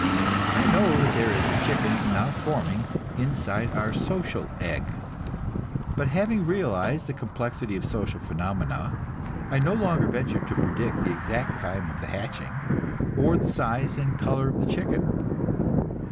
I know that there is a chicken now forming inside our social egg; but having realized the complexity of social phenomena, I no longer venture to predict the exact time of the hatching, or the size and color of the chicken.